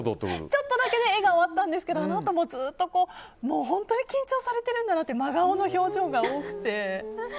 ちょっとだけ笑顔あったんですけどあのあとも、ずっと本当に緊張されているんだなって真顔の表情が多くて。